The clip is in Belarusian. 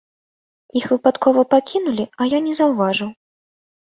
Іх выпадкова пакінулі, а я не заўважыў.